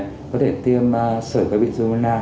có thể tiêm sửa bệnh dung la